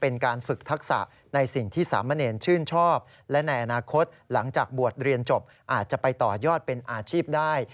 ในอนาคตหลังจากบวชเรียนจบอาจจะไปต่อยอดเป็นอาชีพได้